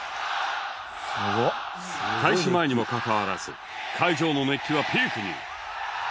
開始前にもかかわらず会場の熱気はピークに